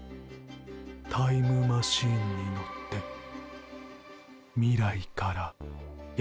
タイムマシンに乗って未来からやって来た。